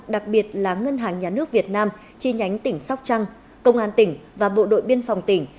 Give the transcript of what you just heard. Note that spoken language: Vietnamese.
đặc biệt là ngân hàng nhà nước việt nam chi nhánh tỉnh sóc trăng công an tỉnh và bộ đội biên phòng tỉnh